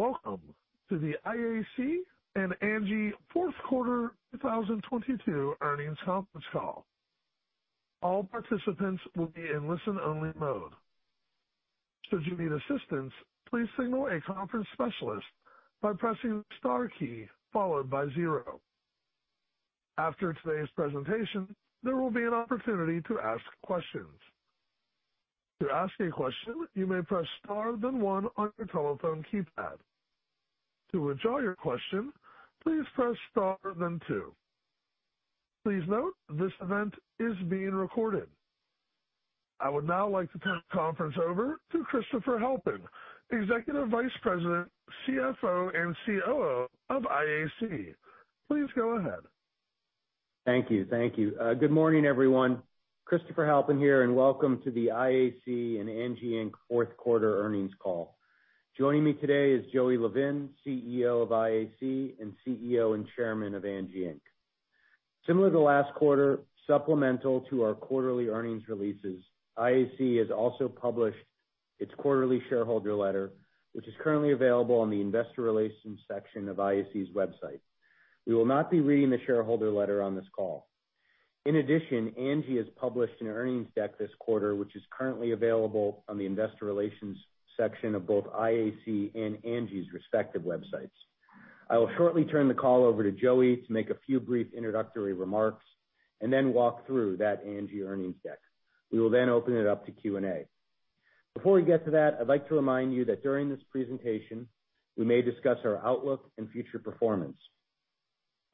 Welcome to the IAC and Angi Fourth Quarter 2022 Earnings Conference Call. All participants will be in listen-only mode. Should you need assistance, please signal a conference specialist by pressing star key followed by zero. After today's presentation, there will be an opportunity to ask questions. To ask a question, you may press star then one on your telephone keypad. To withdraw your question, please press star then two. Please note this event is being recorded. I would now like to turn the conference over to Christopher Halpin, Executive Vice President, CFO and COO of IAC. Please go ahead. Thank you. Thank you. Good morning, everyone. Christopher Halpin here, and welcome to the IAC and Angi Inc. 4th quarter earnings call. Joining me today is Joey Levin, CEO of IAC and CEO and Chairman of Angi Inc. Similar to last quarter, supplemental to our quarterly earnings releases, IAC has also published its quarterly shareholder letter, which is currently available on the investor relations section of IAC's website. We will not be reading the shareholder letter on this call. In addition, Angi has published an earnings deck this quarter, which is currently available on the investor relations section of both IAC and Angi's respective websites. I will shortly turn the call over to Joey to make a few brief introductory remarks and then walk through that Angi earnings deck. We will then open it up to Q&A. Before we get to that, I'd like to remind you that during this presentation we may discuss our outlook and future performance.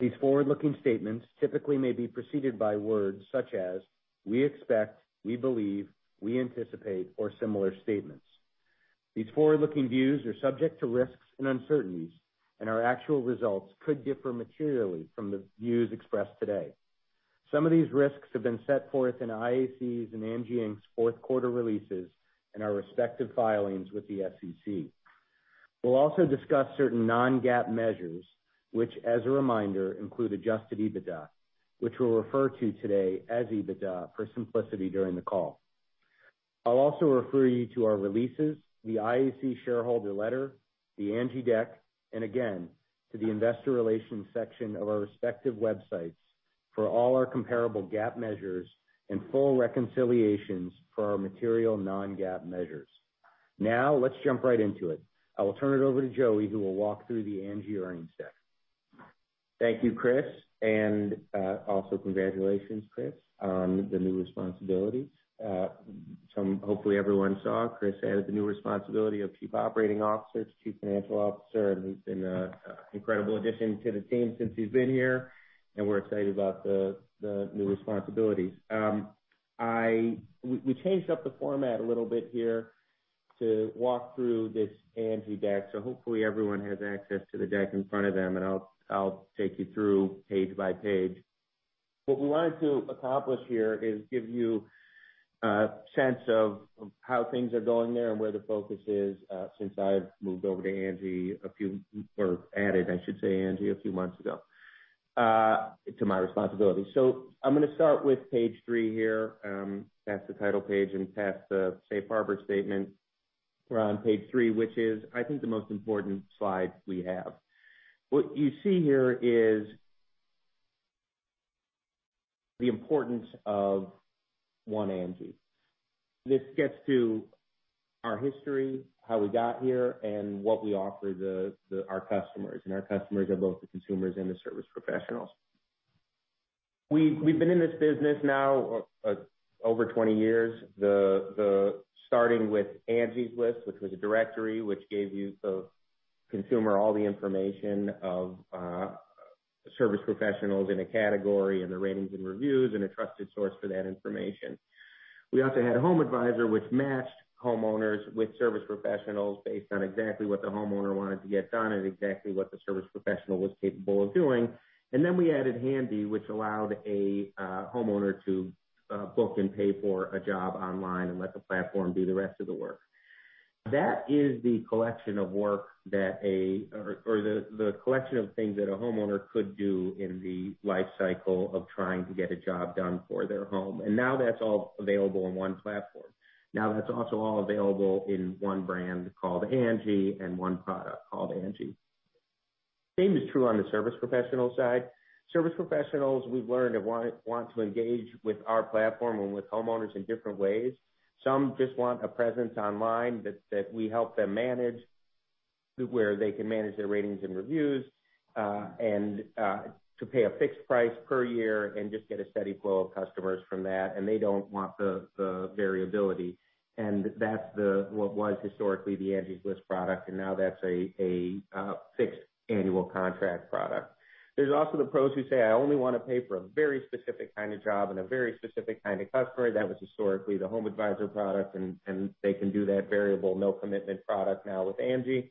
These forward-looking statements typically may be preceded by words such as we expect, we believe, we anticipate, or similar statements. These forward-looking views are subject to risks and uncertainties, and our actual results could differ materially from the views expressed today. Some of these risks have been set forth in IAC's and Angi Inc.'s 4th quarter releases and our respective filings with the SEC. We'll also discuss certain non-GAAP measures, which as a reminder, include Adjusted EBITDA, which we'll refer to today as EBITDA for simplicity during the call. I'll also refer you to our releases, the IAC shareholder letter, the Angi deck, again to the investor relations section of our respective websites for all our comparable GAAP measures and full reconciliations for our material non-GAAP measures. Now let's jump right into it. I will turn it over to Joey, who will walk through the Angi earnings deck. Thank you, Chris, also congratulations, Chris, on the new responsibility. Hopefully everyone saw Chris added the new responsibility of Chief Operating Officer to Chief Financial Officer, and he's been an incredible addition to the team since he's been here, and we're excited about the new responsibilities. We changed up the format a little bit here to walk through this Angi deck, so hopefully everyone has access to the deck in front of them and I'll take you through page by page. What we wanted to accomplish here is give you a sense of how things are going there and where the focus is, since I've moved over to Angi a few or added, I should say, Angi a few months ago to my responsibility. I'm gonna start with page three here. Past the title page and past the safe harbor statement. We're on page three, which is I think the most important slide we have. What you see here is the importance of One Angi. This gets to our history, how we got here, and what we offer the our customers, and our customers are both the consumers and the service professionals. We've been in this business now over 20 years. Starting with Angi's List, which was a directory which gave you, the consumer, all the information of service professionals in a category and the ratings and reviews and a trusted source for that information. We also had HomeAdvisor, which matched homeowners with service professionals based on exactly what the homeowner wanted to get done and exactly what the service professional was capable of doing. We added Handy, which allowed a homeowner to book and pay for a job online and let the platform do the rest of the work. That is the collection of work that a or the collection of things that a homeowner could do in the life cycle of trying to get a job done for their home. Now that's all available on one platform. Now, that's also all available in one brand called Angi and one product called Angi. Same is true on the service professional side. Service professionals we've learned want to engage with our platform and with homeowners in different ways. Some just want a presence online that we help them manage, where they can manage their ratings and reviews, and to pay a fixed price per year and just get a steady flow of customers from that, and they don't want the variability. That's what was historically the Angi's List product, and now that's a fixed annual contract product. There's also the pros who say, "I only wanna pay for a very specific kind of job and a very specific kind of customer." That was historically the HomeAdvisor product, and they can do that variable, no commitment product now with Angi.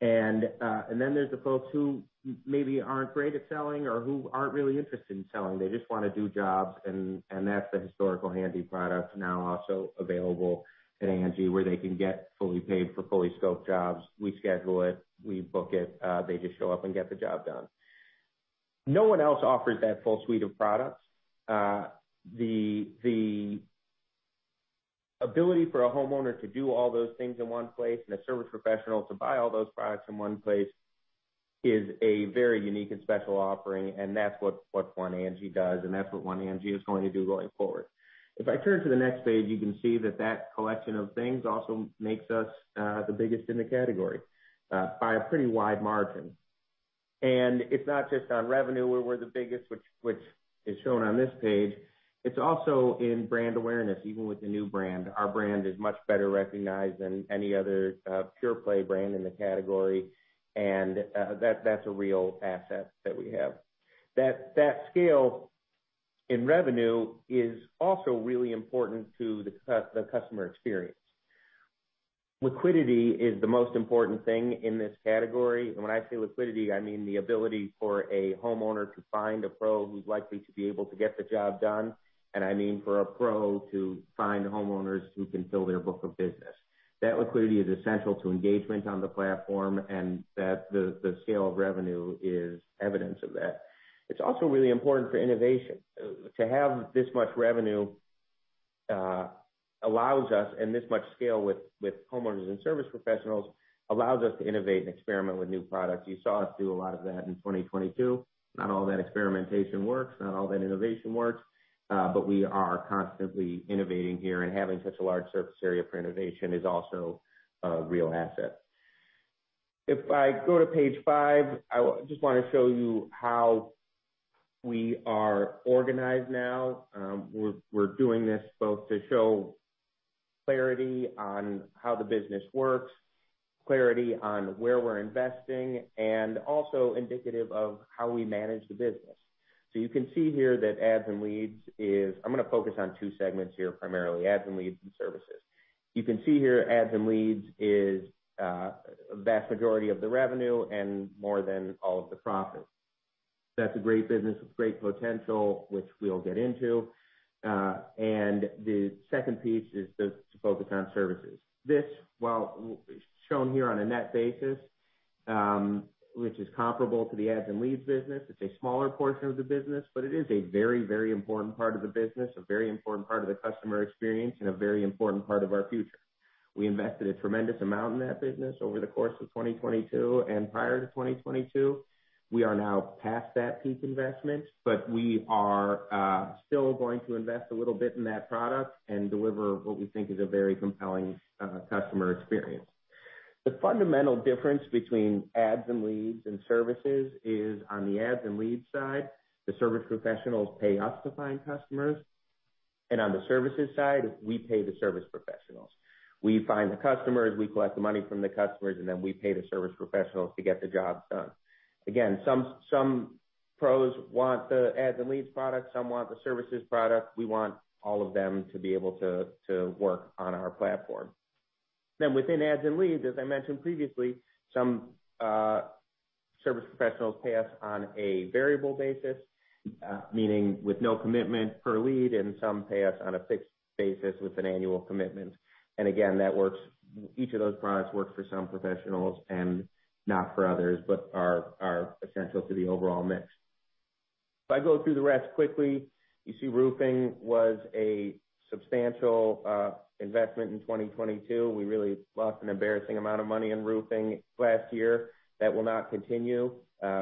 Then there's the folks who maybe aren't great at selling or who aren't really interested in selling. They just wanna do jobs, and that's the historical Handy product now also available at Angi, where they can get fully paid for fully scoped jobs. We schedule it, we book it, they just show up and get the job done. No one else offers that full suite of products. The ability for a homeowner to do all those things in one place and a service professional to buy all those products in one place is a very unique and special offering, and that's what One Angi does, and that's what One Angi is going to do going forward. If I turn to the next page, you can see that that collection of things also makes us the biggest in the category by a pretty wide margin. It's not just on revenue where we're the biggest, which is shown on this page. It's also in brand awareness. Even with the new brand, our brand is much better recognized than any other pure play brand in the category. That's a real asset that we have. That scale in revenue is also really important to the customer experience. Liquidity is the most important thing in this category. When I say liquidity, I mean the ability for a homeowner to find a pro who's likely to be able to get the job done, and I mean for a pro to find homeowners who can fill their book of business. That liquidity is essential to engagement on the platform, and that the scale of revenue is evidence of that. It's also really important for innovation. To have this much revenue allows us, and this much scale with homeowners and service professionals allows us to innovate and experiment with new products. You saw us do a lot of that in 2022. Not all that experimentation works, not all that innovation works, we are constantly innovating here, and having such a large surface area for innovation is also a real asset. If I go to page five, I just wanna show you how we are organized now. We're doing this both to show clarity on how the business works, clarity on where we're investing, and also indicative of how we manage the business. You can see here that Ads and Leads is I'm gonna focus on two segments here, primarily Ads and Leads and Services. You can see here Ads and Leads is vast majority of the revenue and more than all of the profits. That's a great business with great potential, which we'll get into. The 2nd piece is to focus on Services. This, while shown here on a net basis, which is comparable to the Ads and Leads business. It's a smaller portion of the business, but it is a very, very important part of the business, a very important part of the customer experience, and a very important part of our future. We invested a tremendous amount in that business over the course of 2022 and prior to 2022. We are now past that peak investment, but we are still going to invest a little bit in that product and deliver what we think is a very compelling customer experience. The fundamental difference between Ads and Leads and Services is on the Ads and Leads side, the service professionals pay us to find customers. On the Services side, we pay the service professionals. We find the customers, we collect the money from the customers, and then we pay the service professionals to get the job done. Again, some pros want the Ads and Leads product, some want the Services product. We want all of them to be able to work on our platform. Then within Ads and Leads, as I mentioned previously, some service professionals pay us on a variable basis, meaning with no commitment per lead, and some pay us on a fixed basis with an annual commitment. Again, that works. Each of those products works for some professionals and not for others, but are essential to the overall mix. If I go through the rest quickly, you see roofing was a substantial investment in 2022. We really lost an embarrassing amount of money in roofing last year. That will not continue.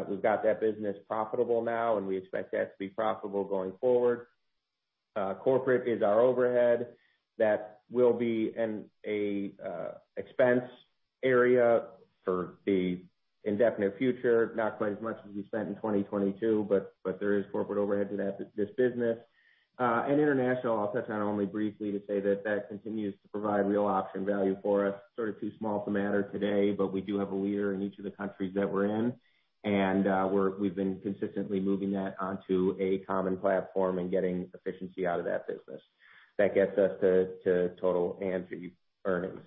We've got that business profitable now, and we expect that to be profitable going forward. Corporate is our overhead. That will be an expense area for the indefinite future. Not quite as much as we spent in 2022, but there is corporate overhead to that this business. International, I'll touch on only briefly to say that that continues to provide real option value for us. Sort of too small to matter today, but we do have a leader in each of the countries that we're in. And we've been consistently moving that onto a common platform and getting efficiency out of that business. That gets us to total Angi earnings.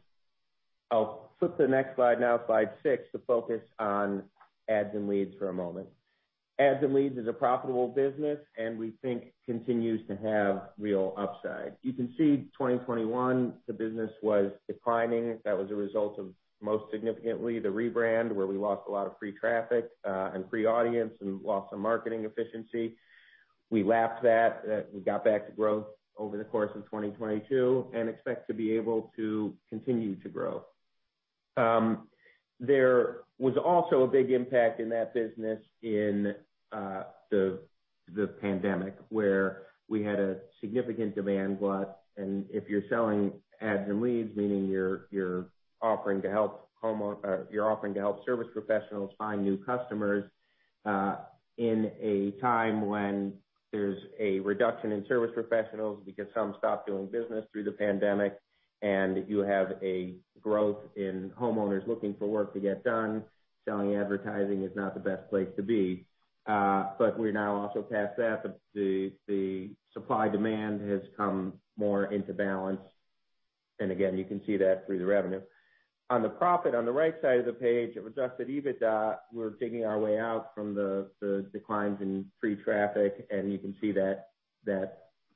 I'll flip to the next slide now, slide 6, to focus on Ads and Leads for a moment. Ads and Leads is a profitable business and we think continues to have real upside. You can see 2021, the business was declining. That was a result of most significantly the rebrand, where we lost a lot of free traffic and free audience and lost some marketing efficiency. We lapped that. We got back to growth over the course of 2022 and expect to be able to continue to grow. There was also a big impact in that business in the pandemic, where we had a significant demand glut. If you're selling Ads and Leads, meaning you're offering to help service professionals find new customers, in a time when there's a reduction in service professionals because some stopped doing business through the pandemic, and you have a growth in homeowners looking for work to get done, selling advertising is not the best place to be. We're now also past that. The supply-demand has come more into balance. Again, you can see that through the revenue. On the profit on the right side of the page of Adjusted EBITDA, we're digging our way out from the declines in free traffic, and you can see that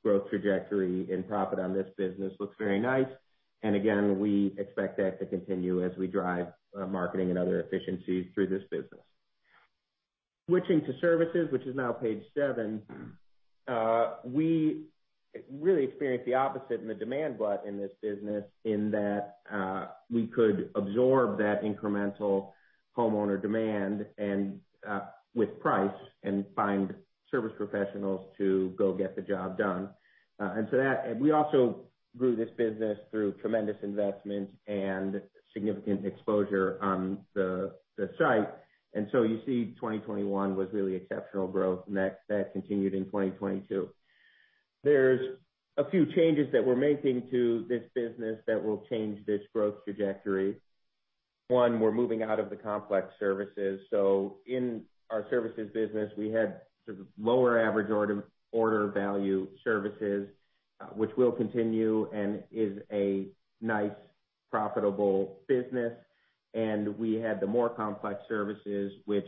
growth trajectory and profit on this business looks very nice. Again, we expect that to continue as we drive marketing and other efficiencies through this business. Switching to Services, which is now page seven. We really experienced the opposite in the demand glut in this business in that we could absorb that incremental homeowner demand and with price and find service professionals to go get the job done. We also grew this business through tremendous investment and significant exposure on the site. So you see 2021 was really exceptional growth, and that continued in 2022. There's a few changes that we're making to this business that will change this growth trajectory. One, we're moving out of the complex Services. In our Services business, we had sort of lower average order value Services, which will continue and is a nice profitable business. We had the more complex services which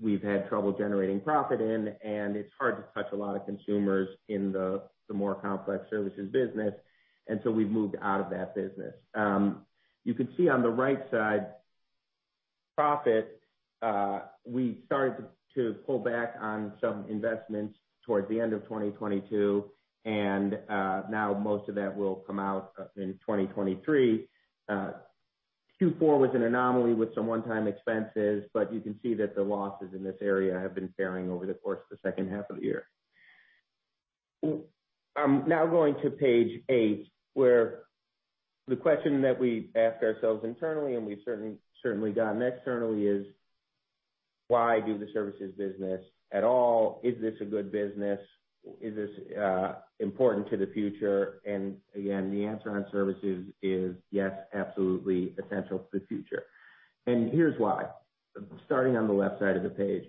we've had trouble generating profit in, and it's hard to touch a lot of consumers in the more complex services business. We've moved out of that business. You can see on the right side profit, we started to pull back on some investments towards the end of 2022. Now most of that will come out in 2023. Two four was an anomaly with some one-time expenses, but you can see that the losses in this area have been searing over the course of the 2nd half of the year. I'm now going to page eight, where the question that we asked ourselves internally, and we've certainly gotten externally, is why do the services business at all? Is this a good business? Is this important to the future? Again, the answer on services is yes, absolutely essential to the future. Here's why. Starting on the left side of the page.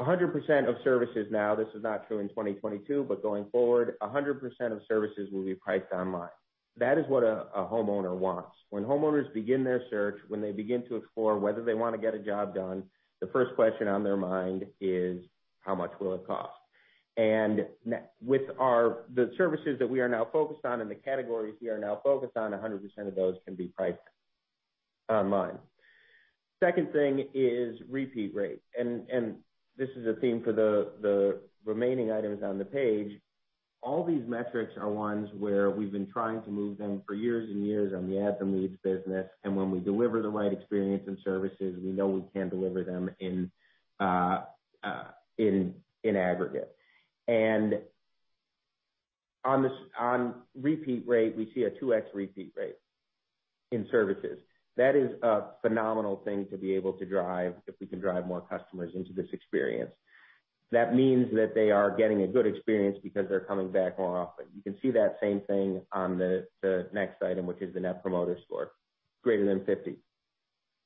100% of services now, this is not true in 2022, but going forward, 100% of services will be priced online. That is what a homeowner wants. When homeowners begin their search, when they begin to explore whether they wanna get a job done, the 1st question on their mind is how much will it cost? With our the services that we are now focused on and the categories we are now focused on, 100% of those can be priced online. Second thing is repeat rate. This is a theme for the remaining items on the page. All these metrics are ones where we've been trying to move them for years and years on the Ads and Leads business. When we deliver the right experience and Services, we know we can deliver them in aggregate. On repeat rate, we see a 2x repeat rate in Services. That is a phenomenal thing to be able to drive if we can drive more customers into this experience. That means that they are getting a good experience because they're coming back more often. You can see that same thing on the next item, which is the Net Promoter Score, greater than 50.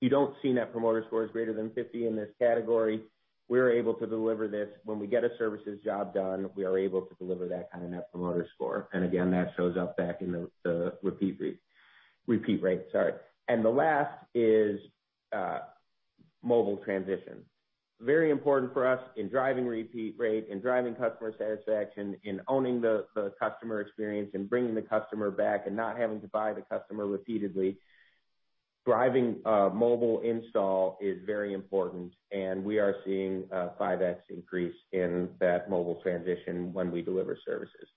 You don't see Net Promoter Scores greater than 50 in this category. We're able to deliver this. When we get a Services job done, we are able to deliver that kind of Net Promoter Score. Again, that shows up back in the repeat rate, sorry. The last is mobile transition. Very important for us in driving repeat rate, in driving customer satisfaction, in owning the customer experience, in bringing the customer back and not having to buy the customer repeatedly. Driving mobile install is very important, and we are seeing a 5x increase in that mobile transition when we deliver services.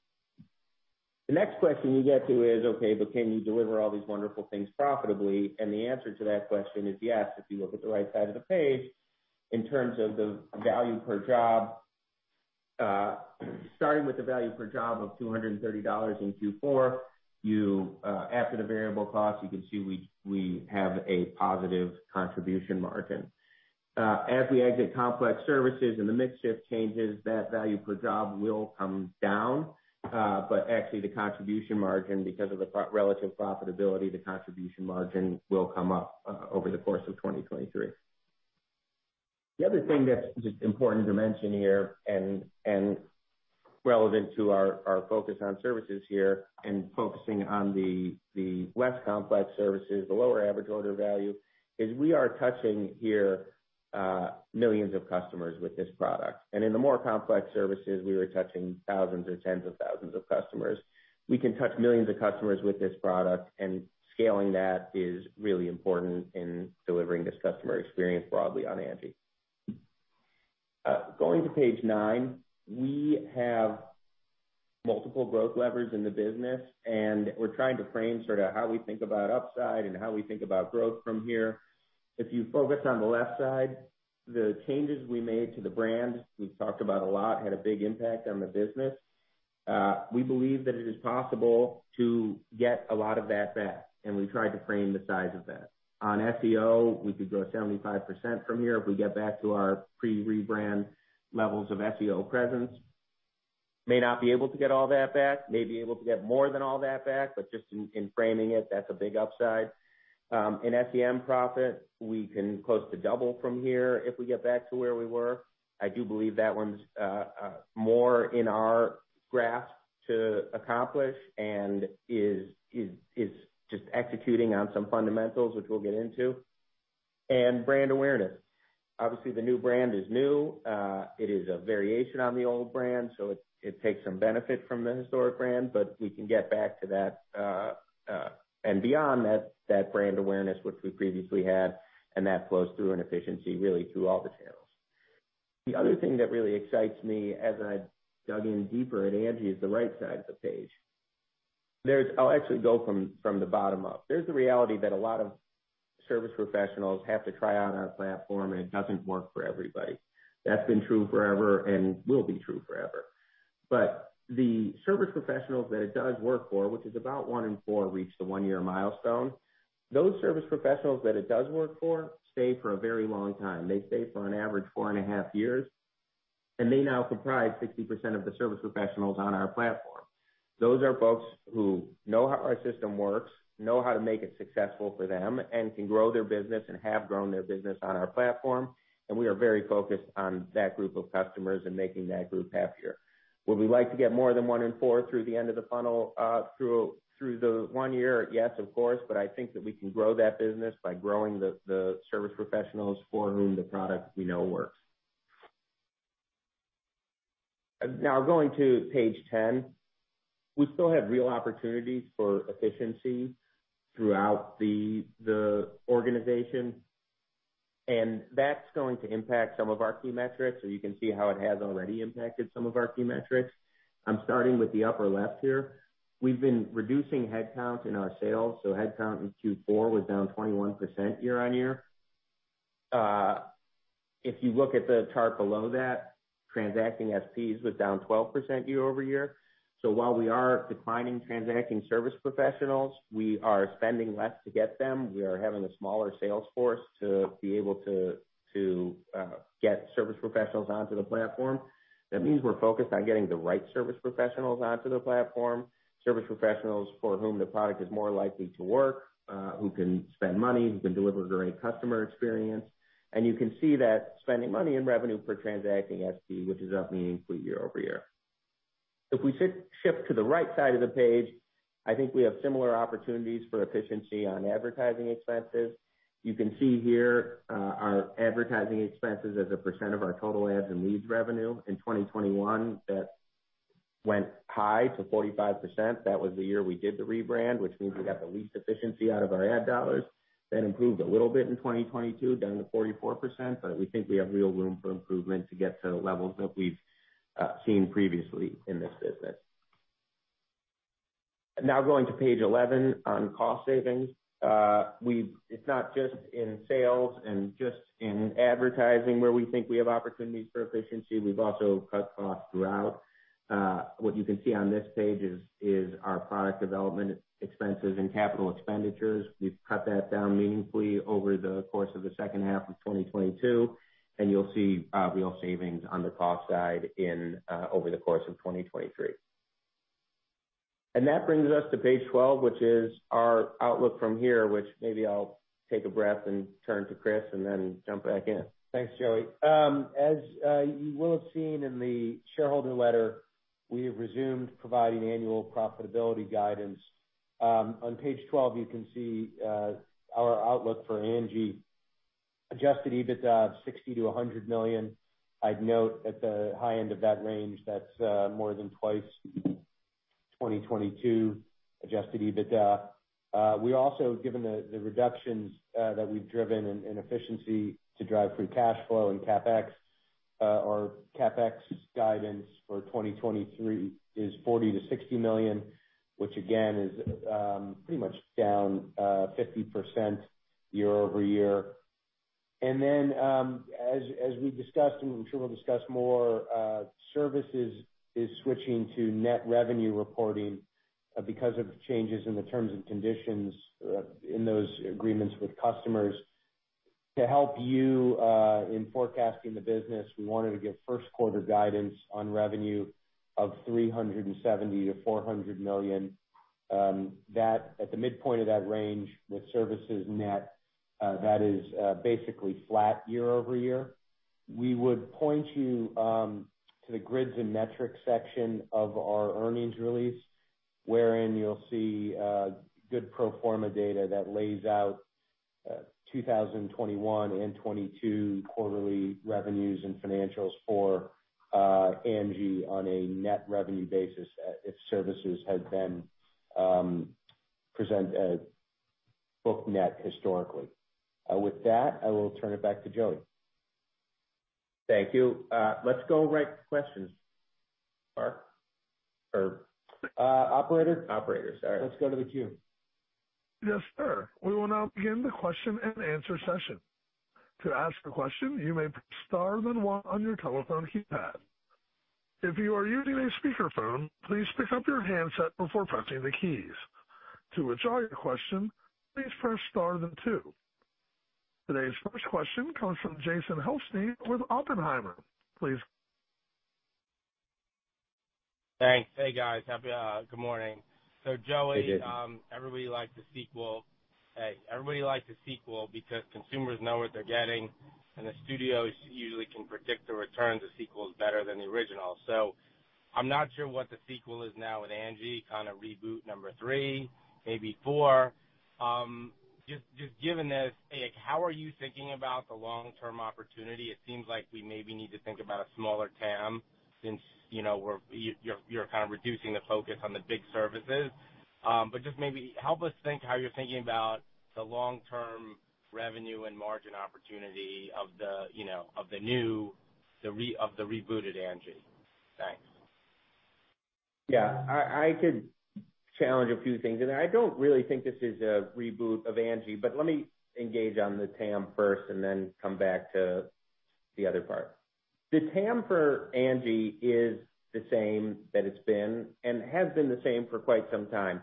The next question you get to is, okay, but can you deliver all these wonderful things profitably? The answer to that question is yes, if you look at the right side of the page. In terms of the value per job, starting with the value per job of $230 in Q4, you after the variable cost, you can see we have a positive contribution margin. As we exit complex services and the mix shift changes, that value per job will come down. Actually the contribution margin, because of the relative profitability, the contribution margin will come up over the course of 2023. The other thing that's just important to mention here and relevant to our focus on services here and focusing on the less complex services, the lower average order value, is we are touching here millions of customers with this product. In the more complex services, we were touching thousands or tens of thousands of customers. We can touch millions of customers with this product, and scaling that is really important in delivering this customer experience broadly on Angi. Going to page nine. We have multiple growth levers in the business, and we're trying to frame sort of how we think about upside and how we think about growth from here. If you focus on the left side, the changes we made to the brand, we've talked about a lot, had a big impact on the business. We believe that it is possible to get a lot of that back, and we tried to frame the size of that. On SEO, we could grow 75% from here if we get back to our pre-rebrand levels of SEO presence. May not be able to get all that back, may be able to get more than all that back, but just in framing it, that's a big upside. In SEM profit, we can close to double from here if we get back to where we were. I do believe that one's more in our grasp to accomplish and is just executing on some fundamentals, which we'll get into. Brand awareness. Obviously, the new brand is new. It is a variation on the old brand, so it takes some benefit from the historic brand, but we can get back to that. Beyond that brand awareness which we previously had, that flows through in efficiency, really through all the channels. The other thing that really excites me as I dug in deeper at Angi is the right side of the page. I'll actually go from the bottom up. There's the reality that a lot of service professionals have to try out our platform, and it doesn't work for everybody. That's been true forever and will be true forever. The service professionals that it does work for, which is about one in four, reach the one-year milestone. Those service professionals that it does work for stay for a very long time. They stay for an average four and a half years, and they now comprise 60% of the service professionals on our platform. Those are folks who know how our system works, know how to make it successful for them, and can grow their business and have grown their business on our platform. We are very focused on that group of customers and making that group happier. Would we like to get more than one in four through the end of the funnel, through the one year? Yes, of course. I think that we can grow that business by growing the service professionals for whom the product we know works. Going to page 10. We still have real opportunities for efficiency throughout the organization. That's going to impact some of our key metrics, you can see how it has already impacted some of our key metrics. I'm starting with the upper left here. We've been reducing headcount in our sales. Headcount in Q4 was down 21% year-on-year. If you look at the chart below that, transacting SPs was down 12% year-over-year. While we are declining transacting service professionals, we are spending less to get them. We are having a smaller sales force to be able to get service professionals onto the platform. That means we're focused on getting the right service professionals onto the platform. Service professionals for whom the product is more likely to work, who can spend money, who can deliver a great customer experience. You can see that spending money in revenue per transacting SP, which is up meaningfully year-over-year. If we shift to the right side of the page, I think we have similar opportunities for efficiency on advertising expenses. You can see here, our advertising expenses as a percent of our total Ads and Leads revenue. In 2021, that went high to 45%. That was the year we did the rebrand, which means we got the least efficiency out of our ad dollars. That improved a little bit in 2022, down to 44%. We think we have real room for improvement to get to the levels that we've seen previously in this business. Now going to page 11 on cost savings. It's not just in sales and just in advertising where we think we have opportunities for efficiency. We've also cut costs throughout. What you can see on this page is our product development expenses and CapEx. We've cut that down meaningfully over the course of the 2nd half of 2022, and you'll see real savings on the cost side in over the course of 2023. That brings us to page 12, which is our outlook from here, which maybe I'll take a breath and turn to Chris and then jump back in. Thanks, Joey. As you will have seen in the shareholder letter, we have resumed providing annual profitability guidance. On page 12, you can see our outlook for Angi. Adjusted EBITDA of $60 million-$100 million. I'd note at the high end of that range, that's more than twice 2022 Adjusted EBITDA. We also Given the reductions that we've driven in efficiency to drive free cash flow and CapEx, our CapEx guidance for 2023 is $40 million-$60 million, which again, is pretty much down 50% year-over-year. Then, as we discussed and I'm sure we'll discuss more, Services is switching to net revenue reporting because of changes in the terms and conditions in those agreements with customers. To help you in forecasting the business, we wanted to give 1st quarter guidance on revenue of $370 million-$400 million. At the midpoint of that range with services net, that is basically flat year-over-year. We would point you to the grids and metrics section of our earnings release, wherein you'll see good pro forma data that lays out 2021 and 2022 quarterly revenues and financials for Angi on a net revenue basis if services had been present at book net historically. With that, I will turn it back to Joey. Thank you. Let's go right to questions. Mark? operator. Operators, all right. Let's go to the queue. Yes, sir. We will now begin the question and answer session. To ask a question, you may press star then one on your telephone keypad. If you are using a speakerphone, please pick up your handset before pressing the keys. To withdraw your question, please press star then two. Today's 1st question comes from Jason Helfstein with Oppenheimer. Please. Thanks. Hey, guys. Good morning. Hey, Jason. Everybody likes a sequel. Hey, everybody likes a sequel because consumers know what they're getting, and the studios usually can predict the returns of sequels better than the original. I'm not sure what the sequel is now with Angi, kind of reboot number three, maybe four. Just given this, A, how are you thinking about the long-term opportunity? It seems like we maybe need to think about a smaller TAM. Since, you know, you're kind of reducing the focus on the big services. Just maybe help us think how you're thinking about the long-term revenue and margin opportunity of the, you know, of the new, of the rebooted Angi. Thanks. Yeah. I could challenge a few things in there. I don't really think this is a reboot of Angi, but let me engage on the TAM 1st and then come back to the other part. The TAM for Angi is the same that it's been and has been the same for quite some time.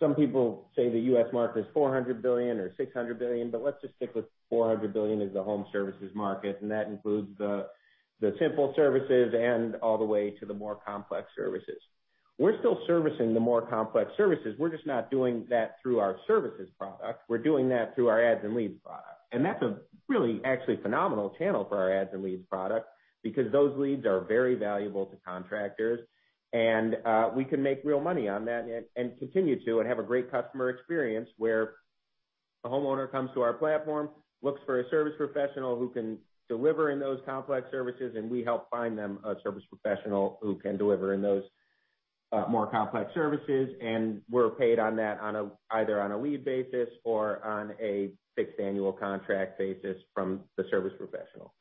Some people say the U.S. market is $400 billion or $600 billion, but let's just stick with $400 billion as the home services market, and that includes the simple services and all the way to the more complex services. We're still servicing the more complex services. We're just not doing that through our Services product. We're doing that through our Ads and Leads product. That's a really actually phenomenal channel for our Ads and Leads product because those leads are very valuable to contractors. We can make real money on that and continue to have a great customer experience where a homeowner comes to our platform, looks for a service professional who can deliver in those complex services, and we help find them a service professional who can deliver in those more complex services. We're paid on that either on a lead basis or on a fixed annual contract basis from the service professional.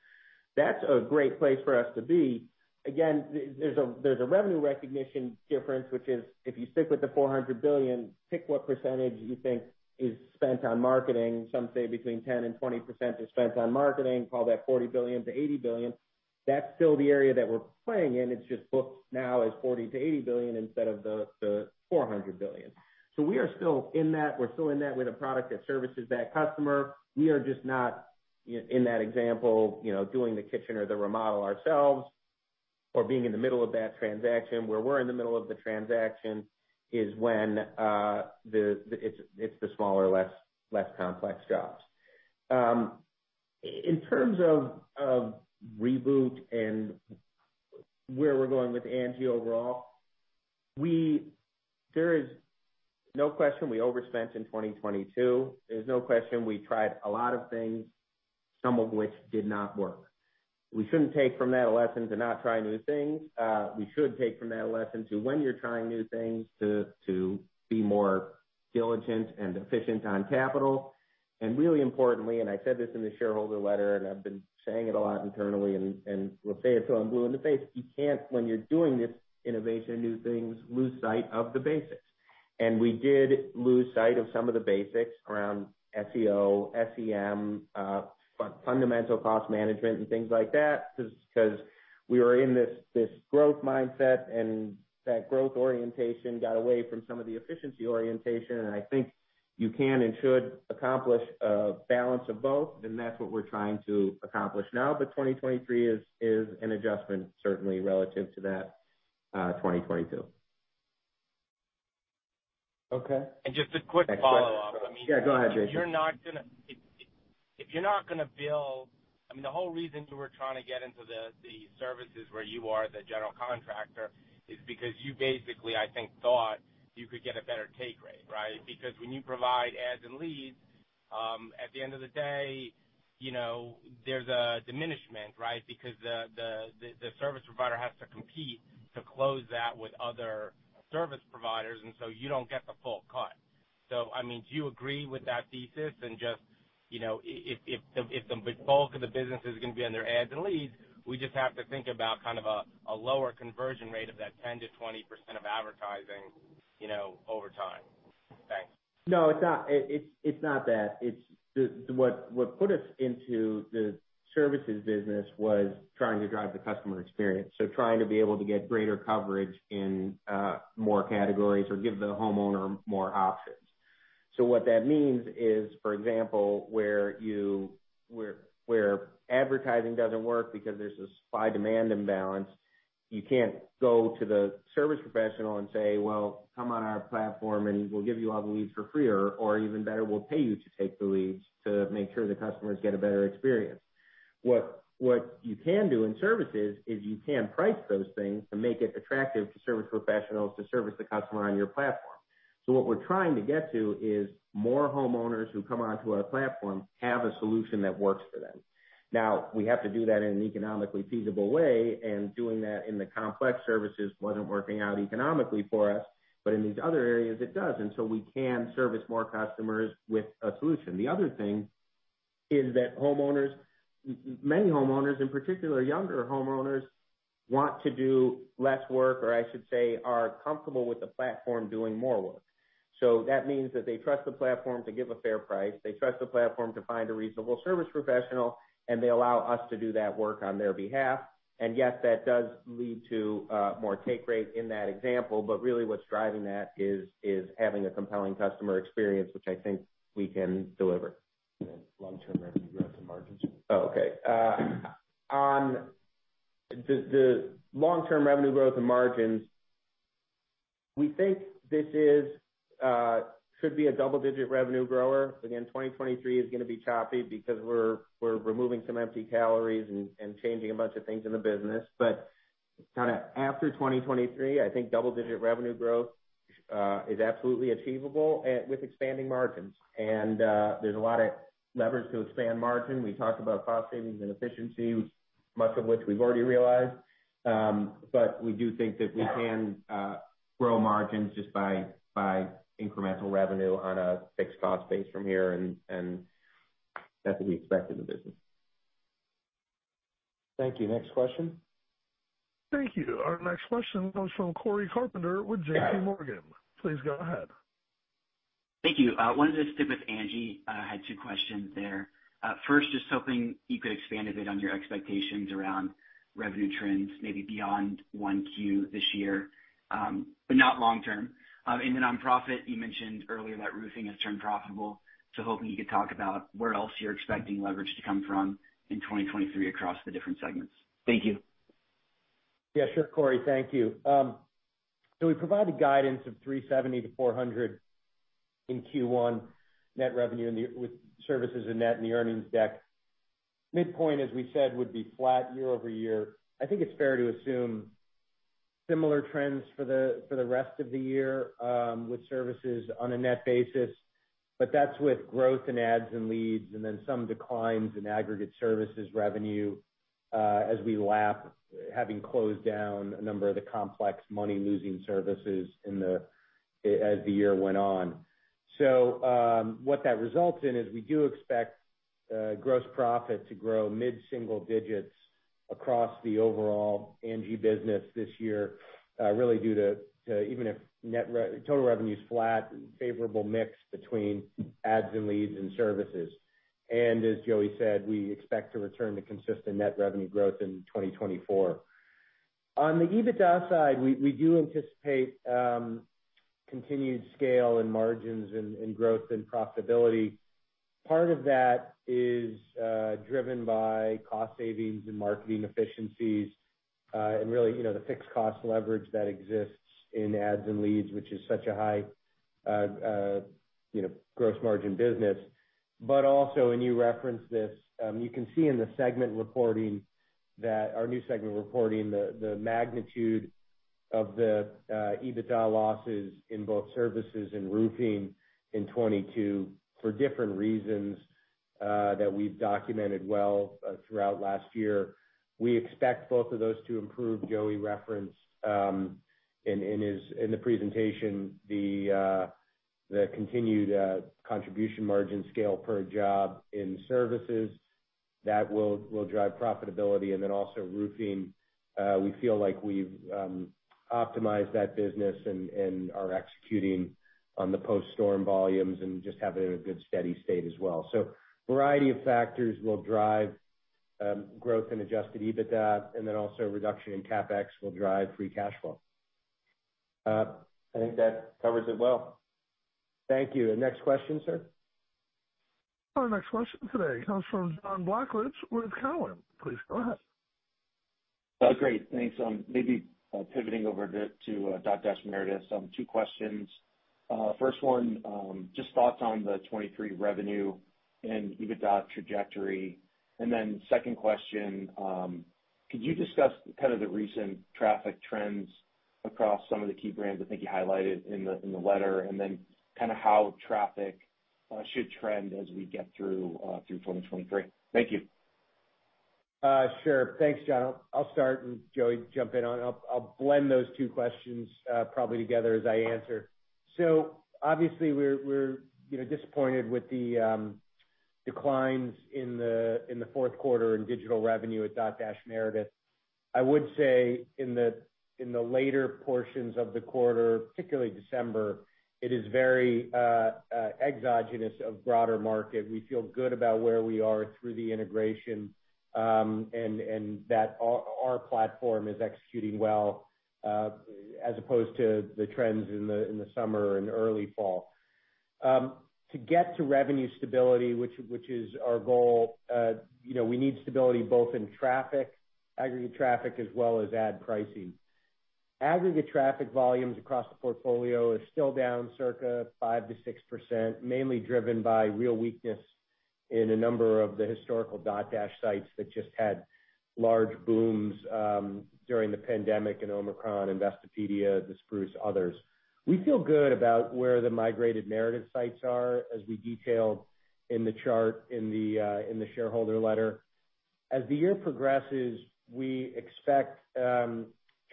That's a great place for us to be. Again, there's a revenue recognition difference, which is if you stick with the $400 billion, pick what percentage you think is spent on marketing. Some say between 10%-20% is spent on marketing. Call that $40 billion-$80 billion. That's still the area that we're playing in. It's just booked now as $40 billion-$80 billion instead of the $400 billion. We are still in that. We're still in that with a product that services that customer. We are just not in that example, you know, doing the kitchen or the remodel ourselves or being in the middle of that transaction. Where we're in the middle of the transaction is when it's the smaller, less complex jobs. In terms of reboot and where we're going with Angi overall, there is no question we overspent in 2022. There's no question we tried a lot of things, some of which did not work. We shouldn't take from that a lesson to not try new things. We should take from that a lesson to when you're trying new things to be more diligent and efficient on capital. Really importantly, I said this in the shareholder letter, and I've been saying it a lot internally and will say it till I'm blue in the face, you can't, when you're doing this innovation, new things, lose sight of the basics. We did lose sight of some of the basics around SEO, SEM, fundamental cost management and things like that just 'cause we were in this growth mindset and that growth orientation got away from some of the efficiency orientation. I think you can and should accomplish a balance of both, and that's what we're trying to accomplish now. 2023 is an adjustment certainly relative to that 2022. Okay. Just a quick follow-up. I mean. Yeah, go ahead, Jason. If you're not gonna build. I mean, the whole reason you were trying to get into the services where you are the general contractor is because you basically, I think, thought you could get a better take rate, right? Because when you provide Ads and Leads, at the end of the day, you know, there's a diminishment, right? Because the service provider has to compete to close that with other service providers, and so you don't get the full cut. I mean, do you agree with that thesis? Just, you know, if the bulk of the business is gonna be under Ads and Leads, we just have to think about kind of a lower conversion rate of that 10%-20% of advertising, you know, over time. Thanks. No, it's not. It's not that. It's what put us into the services business was trying to drive the customer experience. Trying to be able to get greater coverage in more categories or give the homeowner more options. What that means is, for example, where advertising doesn't work because there's a supply-demand imbalance, you can't go to the service professional and say, "Well, come on our platform, and we'll give you all the leads for free, or even better, we'll pay you to take the leads to make sure the customers get a better experience." What you can do in services is you can price those things to make it attractive to service professionals to service the customer on your platform. What we're trying to get to is more homeowners who come onto our platform have a solution that works for them. We have to do that in an economically feasible way, and doing that in the complex services wasn't working out economically for us. In these other areas, it does, and so we can service more customers with a solution. The other thing is that homeowners, many homeowners, in particular younger homeowners, want to do less work or I should say are comfortable with the platform doing more work. That means that they trust the platform to give a fair price, they trust the platform to find a reasonable service professional, and they allow us to do that work on their behalf. Yes, that does lead to more take rate in that example. Really what's driving that is having a compelling customer experience, which I think we can deliver. Long-term revenue growth and margins. Okay. On the long-term revenue growth and margins, we think this is should be a double-digit revenue grower. Again, 2023 is gonna be choppy because we're removing some empty calories and changing a bunch of things in the business. Kinda after 2023, I think double-digit revenue growth is absolutely achievable at, with expanding margins. There's a lot of leverage to expand margin. We talked about cost savings and efficiency, much of which we've already realized. We do think that we can, grow margins just by incremental revenue on a fixed cost base from here, and that's what we expect in the business. Thank you. Next question? Thank you. Our next question comes from Cory Carpenter with J.P. Morgan. Please go ahead. Thank you. Wanted to stick with Angi. Had two questions there. First, just hoping you could expand a bit on your expectations around revenue trends, maybe beyond 1Q this year, but not long term. In the nonprofit, you mentioned earlier that roofing has turned profitable, so hoping you could talk about where else you're expecting leverage to come from in 2023 across the different segments. Thank you. Sure, Cory. Thank you. We provided guidance of $370 million-$400 million in Q1 net revenue with services in net in the earnings deck. Midpoint, as we said, would be flat year-over-year. I think it's fair to assume similar trends for the rest of the year with services on a net basis. That's with growth in Ads and Leads, some declines in aggregate Services revenue as we lap, having closed down a number of the complex money-losing Services as the year went on. What that results in is we do expect gross profit to grow mid-single digits across the overall Angi business this year really due to even if total revenue's flat, favorable mix between Ads and Leads and Services. As Joey said, we expect to return to consistent net revenue growth in 2024. On the EBITDA side, we do anticipate continued scale in margins and growth and profitability. Part of that is driven by cost savings and marketing efficiencies, and really, you know, the fixed cost leverage that exists in Ads and Leads, which is such a high, you know, gross margin business. Also, and you referenced this, you can see in the segment reporting that our new segment reporting, the magnitude of the EBITDA losses in both Services and roofing in 2022 for different reasons, that we've documented well throughout last year. We expect both of those to improve. Joey referenced in his in the presentation, the continued contribution margin scale per job in services that will drive profitability. Also roofing, we feel like we've optimized that business and are executing on the post-storm volumes and just have it in a good, steady state as well. Variety of factors will drive growth in Adjusted EBITDA, and then also reduction in CapEx will drive free cash flow. I think that covers it well. Thank you. Next question, sir. Our next question today comes from John Blackledge with Cowen. Please go ahead. Oh, great. Thanks. Maybe pivoting over to Dotdash Meredith, two questions. First one, just thoughts on the 2023 revenue and EBITDA trajectory. Second question, could you discuss kind of the recent traffic trends across some of the key brands I think you highlighted in the letter? Kind of how traffic should trend as we get through 2023. Thank you. Sure. Thanks, John. I'll start and Joey jump in on. I'll blend those two questions probably together as I answer. Obviously we're, you know, disappointed with the declines in the 4th quarter in digital revenue at Dotdash Meredith. I would say in the later portions of the quarter, particularly December, it is very exogenous of broader market. We feel good about where we are through the integration and that our platform is executing well as opposed to the trends in the summer and early fall. To get to revenue stability, which is our goal, you know, we need stability both in traffic, aggregate traffic, as well as ad pricing. Aggregate traffic volumes across the portfolio is still down circa 5%-6%, mainly driven by real weakness in a number of the historical Dotdash sites that just had large booms during the pandemic and Omicron, Investopedia, The Spruce, others. We feel good about where the migrated Meredith sites are, as we detailed in the chart in the shareholder letter. The year progresses, we expect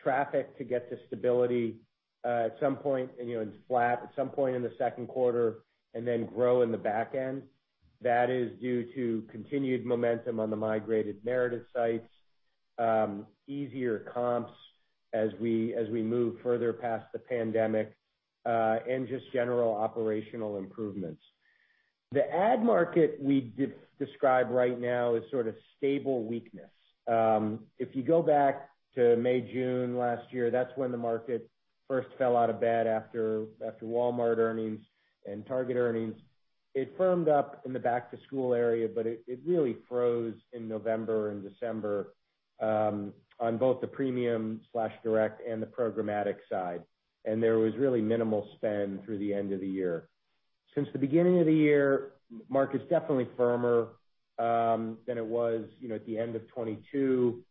traffic to get to stability at some point, and you know, in flat at some point in the 2nd quarter and then grow in the back end. That is due to continued momentum on the migrated Meredith sites, easier comps as we move further past the pandemic, and just general operational improvements. The ad market we describe right now is sort of stable weakness. If you go back to May, June last year, that's when the market 1st fell out of bed after Walmart earnings and Target earnings. It firmed up in the back to school area, but it really froze in November and December on both the premium/direct and the programmatic side. There was really minimal spend through the end of the year. Since the beginning of the year, market's definitely firmer than it was, you know, at the end of 2022.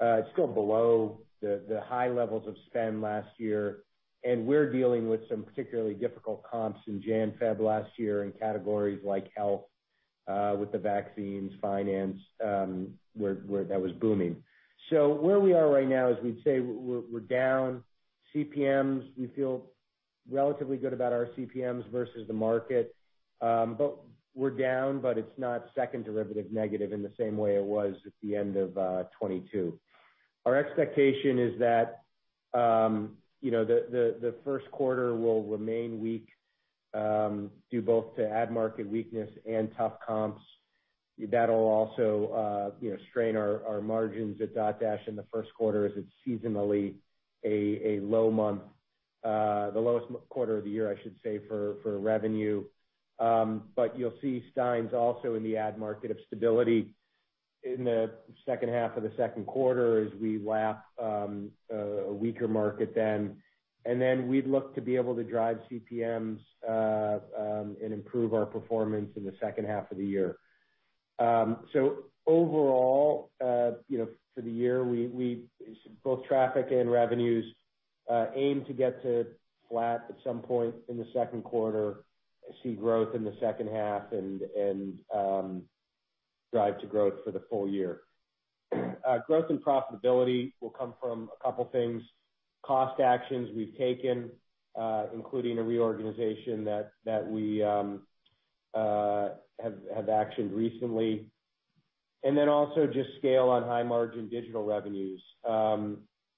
It's still below the high levels of spend last year, and we're dealing with some particularly difficult comps in January, February last year in categories like health, with the vaccines, finance, where that was booming. Where we are right now is we'd say we're down. CPMs, we feel relatively good about our CPMs versus the market, but we're down, but it's not 2nd derivative negative in the same way it was at the end of 2022. Our expectation is that, you know, the 1st quarter will remain weak, due both to ad market weakness and tough comps. That'll also, you know, strain our margins at Dotdash in the 1st quarter, as it's seasonally a low month, the lowest quarter of the year, I should say, for revenue. You'll see signs also in the ad market of stability in the 2nd half of the 2nd quarter as we lap a weaker market then. We'd look to be able to drive CPMs and improve our performance in the 2nd half of the year. Overall, you know, for the year we, both traffic and revenues, aim to get to flat at some point in the 2nd quarter and see growth in the 2nd half and drive to growth for the full year. Growth and profitability will come from a couple things. Cost actions we've taken, including a reorganization that we actioned recently. Also just scale on high-margin digital revenues.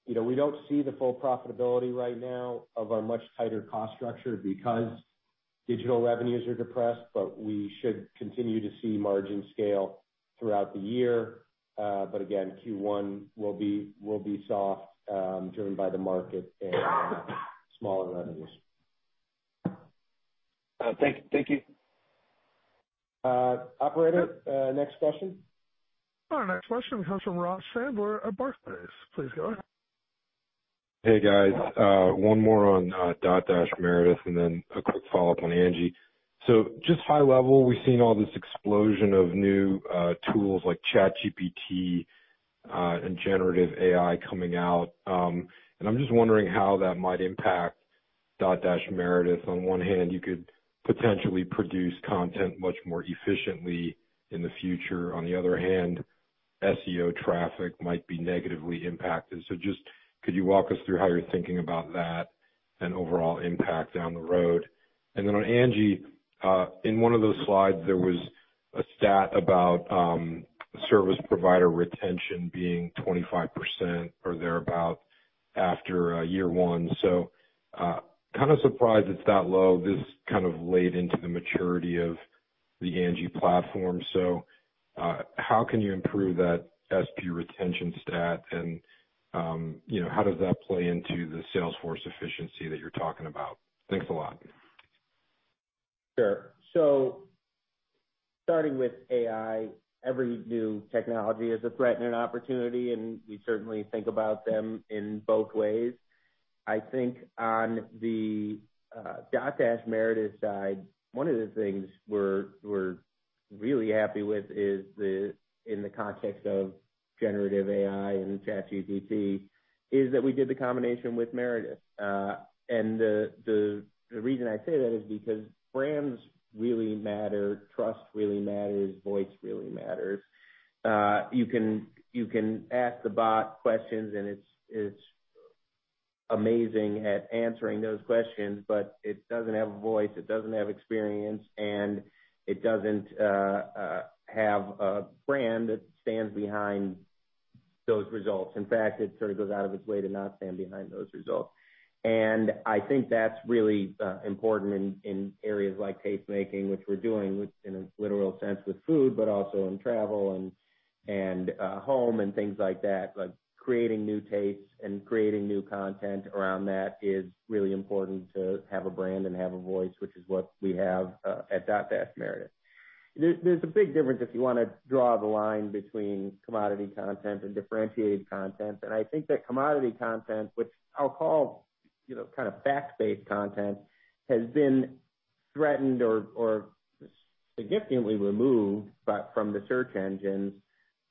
You know, we don't see the full profitability right now of our much tighter cost structure because digital revenues are depressed, we should continue to see margin scale throughout the year. Again, Q1 will be soft, driven by the market and smaller revenues. Thank you. Operator, next question. Our next question comes from Ross Sandler at Barclays. Please go ahead. Hey, guys. One more on Dotdash Meredith, then a quick follow-up on Angi. Just high level, we've seen all this explosion of new tools like ChatGPT and generative AI coming out. I'm just wondering how that might impact Dotdash Meredith. On one hand, you could potentially produce content much more efficiently in the future. On the other hand, SEO traffic might be negatively impacted. Just could you walk us through how you're thinking about that and overall impact down the road? On Angi, in one of those slides, there was a stat about service provider retention being 25% or thereabout after year one. Kind of surprised it's that low. This kind of laid into the maturity of the Angi platform. How can you improve that SP retention stat? you know, how does that play into the sales force efficiency that you're talking about? Thanks a lot. Sure. Starting with AI, every new technology is a threat and an opportunity, and we certainly think about them in both ways. I think on the Dotdash Meredith side, one of the things we're really happy with is in the context of generative AI and ChatGPT, is that we did the combination with Meredith. The reason I say that is because brands really matter, trust really matters, voice really matters. You can ask the bot questions, and it's amazing at answering those questions, but it doesn't have a voice, it doesn't have experience, and it doesn't have a brand that stands behind those results. In fact, it sort of goes out of its way to not stand behind those results. I think that's really important in areas like tastemaking, which we're doing with, in a literal sense with food, but also in travel and home and things like that. Like creating new tastes and creating new content around that is really important to have a brand and have a voice, which is what we have at Dotdash Meredith. There, there's a big difference if you wanna draw the line between commodity content and differentiated content. I think that commodity content, which I'll call, you know, kind of fact-based content, has been threatened or significantly removed by, from the search engines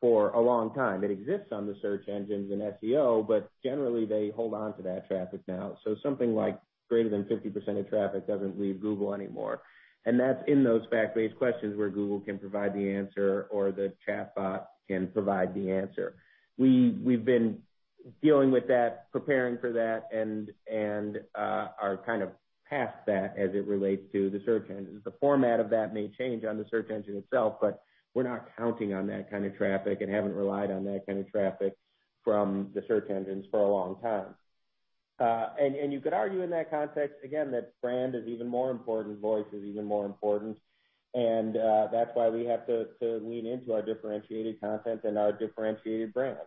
for a long time. It exists on the search engines and SEO, but generally they hold on to that traffic now. Something like greater than 50% of traffic doesn't leave Google anymore. That's in those fact-based questions where Google can provide the answer or the chatbot can provide the answer. We've been dealing with that, preparing for that and are kind of past that as it relates to the search engines. The format of that may change on the search engine itself, but we're not counting on that kind of traffic and haven't relied on that kind of traffic from the search engines for a long time. You could argue in that context, again, that brand is even more important, voice is even more important. That's why we have to lean into our differentiated content and our differentiated brands.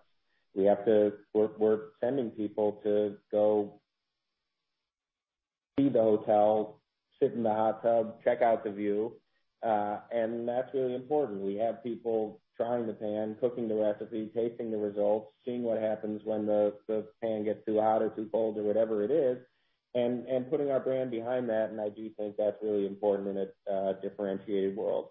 We have to. We're sending people to go see the hotel, sit in the hot tub, check out the view. That's really important. We have people trying the pan, cooking the recipe, tasting the results, seeing what happens when the pan gets too hot or too cold or whatever it is, and putting our brand behind that. I do think that's really important in a differentiated world.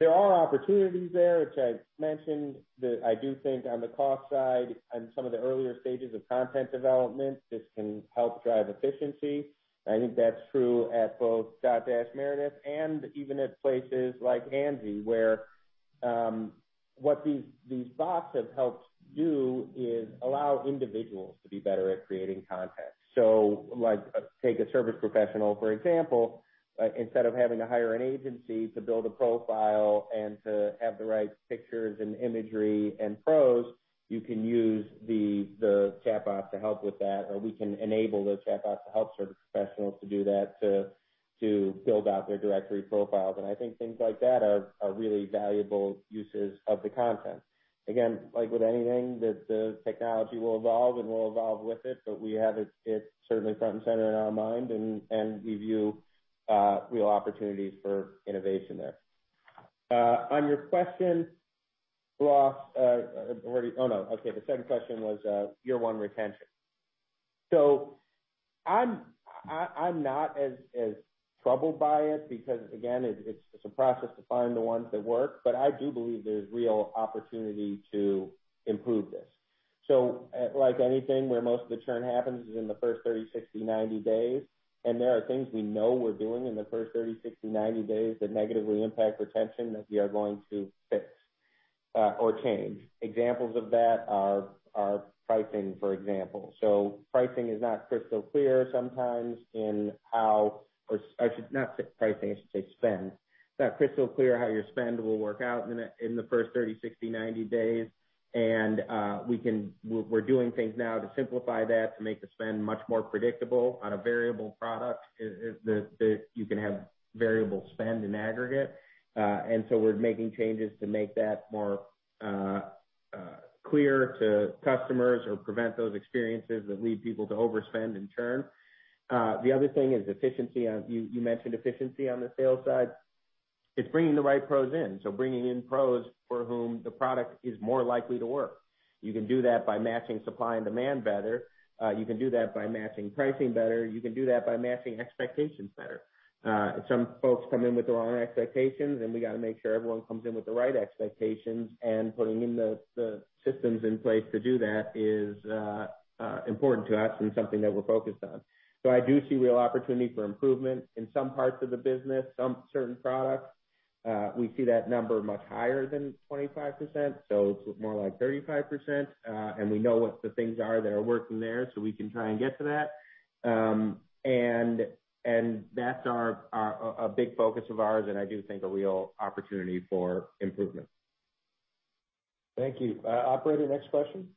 There are opportunities there, which I mentioned, that I do think on the cost side and some of the earlier stages of content development, this can help drive efficiency. I think that's true at both Dotdash Meredith and even at places like Angi, where what these bots have helped do is allow individuals to be better at creating content. Like, take a service professional, for example. Instead of having to hire an agency to build a profile and to have the right pictures and imagery and pros, you can use the chatbot to help with that, or we can enable the chatbot to help service professionals to do that, to build out their directory profiles. I think things like that are really valuable uses of the content. Again, like with anything, the technology will evolve, and we'll evolve with it, but we have it certainly front and center in our mind and we view real opportunities for innovation there. On your question, Ross, where did. Oh, no, okay, the 2nd question was year-one retention. I'm not as troubled by it because, again, it's a process to find the ones that work. I do believe there's real opportunity to improve this. Like anything where most of the churn happens is in the 1st 30, 60, 90 days, and there are things we know we're doing in the 1st 30, 60, 90 days that negatively impact retention that we are going to fix or change. Examples of that are pricing, for example. Pricing is not crystal clear sometimes in how... or I should not say pricing, I should say spend. It's not crystal clear how your spend will work out in the, in the 1st 30, 60, 90 days. We're doing things now to simplify that to make the spend much more predictable on a variable product. It, you can have variable spend in aggregate. We're making changes to make that more clear to customers or prevent those experiences that lead people to overspend and churn. The other thing is efficiency. You mentioned efficiency on the sales side. It's bringing the right pros in, so bringing in pros for whom the product is more likely to work. You can do that by matching supply and demand better. You can do that by matching pricing better. You can do that by matching expectations better. Some folks come in with the wrong expectations, and we gotta make sure everyone comes in with the right expectations. Putting in the systems in place to do that is important to us and something that we're focused on. I do see real opportunity for improvement in some parts of the business. Some certain products, we see that number much higher than 25%, so it's more like 35%. We know what the things are that are working there, so we can try and get to that. That's our big focus of ours, and I do think a real opportunity for improvement. Thank you. operator, next question.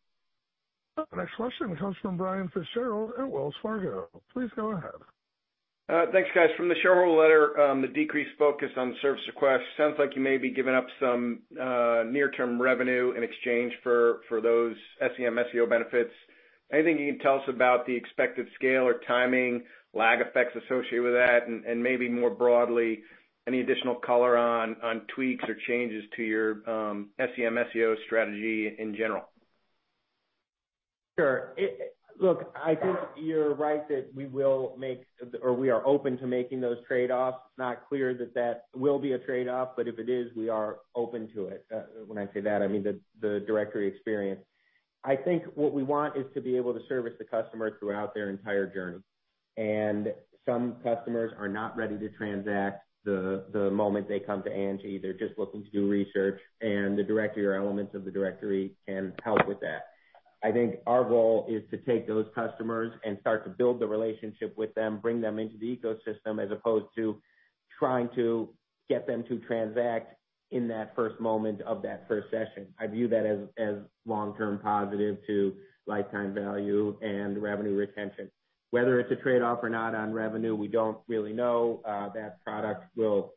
The next question comes from Brian Fitzgerald at Wells Fargo. Please go ahead. Thanks, guys. From the shareholder letter, the decreased focus on service requests sounds like you may be giving up some near-term revenue in exchange for those SEM/SEO benefits. Anything you can tell us about the expected scale or timing lag effects associated with that? Maybe more broadly, any additional color on tweaks or changes to your SEM/SEO strategy in general? Sure. Look, I think you're right that we will make or we are open to making those trade-offs. It's not clear that that will be a trade-off, but if it is, we are open to it. When I say that, I mean the directory experience. I think what we want is to be able to service the customer throughout their entire journey. Some customers are not ready to transact the moment they come to Angi. They're just looking to do research, and the directory or elements of the directory can help with that. I think our role is to take those customers and start to build the relationship with them, bring them into the ecosystem as opposed to trying to get them to transact in that 1st moment of that 1st session. I view that as long-term positive to lifetime value and revenue retention. Whether it's a trade-off or not on revenue, we don't really know. That product will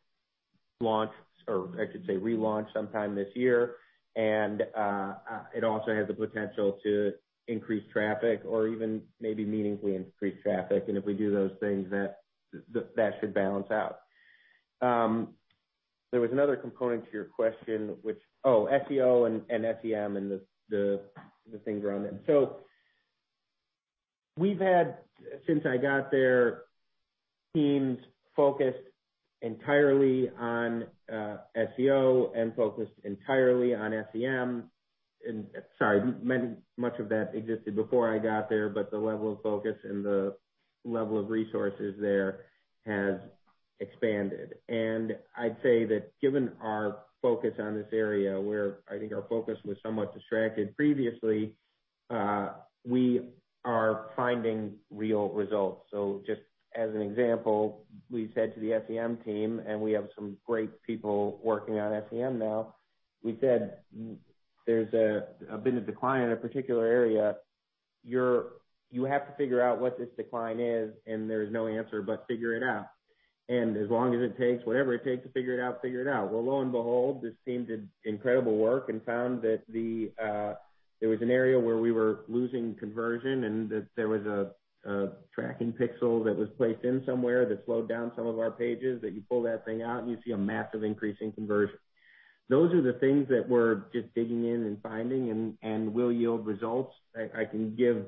launch or I should say relaunch sometime this year. It also has the potential to increase traffic or even maybe meaningfully increase traffic. If we do those things, that should balance out. There was another component to your question which... Oh, SEO and SEM and the things around them. We've had, since I got there, teams focused entirely on SEO and focused entirely on SEM. Sorry, much of that existed before I got there, but the level of focus and the level of resources there has expanded. I'd say that given our focus on this area, where I think our focus was somewhat distracted previously, we are finding real results. Just as an example, we said to the SEM team, and we have some great people working on SEM now. We said there's been a decline in a particular area. You have to figure out what this decline is, and there's no answer but figure it out. As long as it takes, whatever it takes to figure it out, figure it out. Lo and behold, this team did incredible work and found that there was an area where we were losing conversion and that there was a tracking pixel that was placed in somewhere that slowed down some of our pages, that you pull that thing out and you see a massive increase in conversion. Those are the things that we're just digging in and finding and will yield results. I can give...